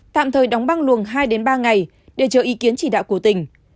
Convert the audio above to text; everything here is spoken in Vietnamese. tạm thời đóng băng luồng hai ba ngày để chờ ý kiến chỉ đạo của tỉnh